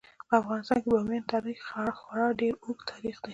په افغانستان کې د بامیان تاریخ خورا ډیر اوږد تاریخ دی.